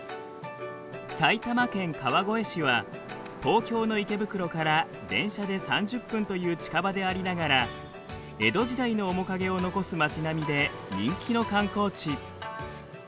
埼玉県川越市は東京の池袋から電車で３０分という近場でありながら江戸時代の面影を残す町並みで人気の観光地。